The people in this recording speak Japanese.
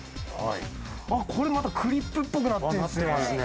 これまたクリップっぽくなってる。